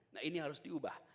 nah ini harus diubah